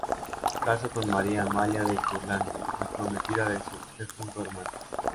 Casó con María Amalia de Curlandia, la prometida de su difunto hermano.